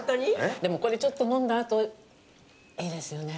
「でもこれちょっと飲んだあといいですよね」